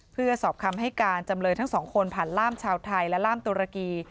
เพื่อสอบคำให้การจำเลยทั้งสองคนผ่านล่ามชาวไทยและล่ามตุรกี